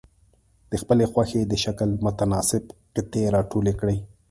د خپلې خوښې د شکل متناسب قطي را ټولې کړئ.